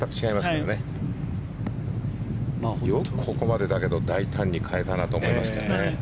よくここまで大胆に変えたなと思いますけどね。